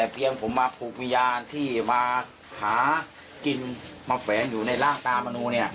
พี่มาหากินมะแฟนอยู่ในร่างตามะนูเนี่ย